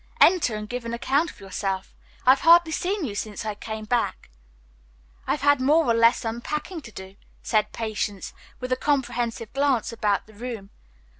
"Enter and give an account of yourself. I've hardly seen you since I came back." "I have had more or less unpacking to do, too," said Patience, with a comprehensive glance about the room.